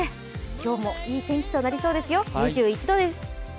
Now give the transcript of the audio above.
今日もいい天気となりそうですよ、２１度です。